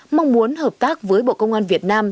mong muốn hợp tác với bộ công an việt nam